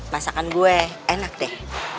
masakan gue enak deh